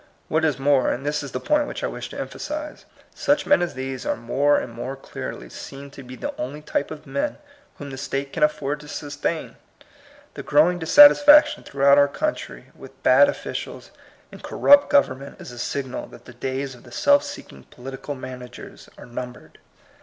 What is more (and this is the point which I wish to emphasize), such men as these are more and more clearly seen to be the only type of men whom the state can afford to sustain. The growing dissatisfac tion throughdut our country with bad offi cials and corrupt government is a signal that the days of the self seeking political managers are numbered.